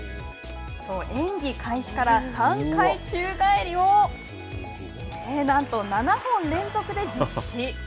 演技開始から３回宙返りをなんと７本連続で実施。